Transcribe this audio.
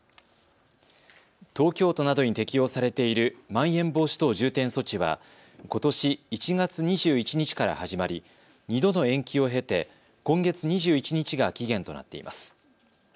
東京都などに適用されているまん延防止等重点措置はことし１月２１日から始まり２度の延期を経て今月２１日が期限となっています。